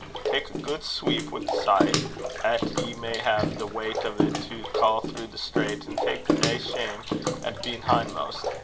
Tak' a guid sweep wi' the scythe, 'at ye may hae the weicht o't to ca' through the strae, an' tak' nae shame at bein' hindmost.